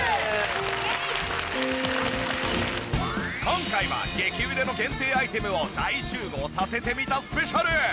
今回は激売れの限定アイテムを大集合させてみたスペシャル！